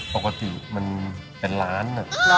ปกติมันเป็นล้าน